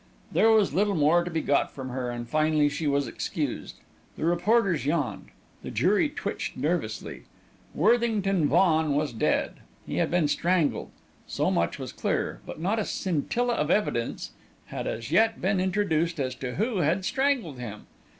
There was little more to be got from her, and finally she was excused. The reporters yawned. The jury twitched nervously. Worthington Vaughan was dead; he had been strangled so much was clear; but not a scintilla of evidence had as yet been introduced as to who had strangled him.